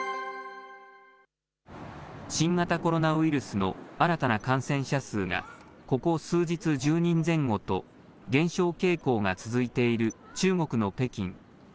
新型コロナウイルスの新たな感染者数がここ数日、１０人前後と減少傾向が続いている中国の北京。